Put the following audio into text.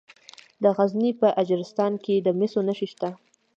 د غزني په اجرستان کې د مسو نښې شته.